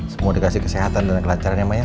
semua dikasih kesehatan dan kelancaran ya ma ya